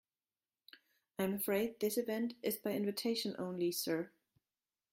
I'm afraid this event is by invitation only, sir.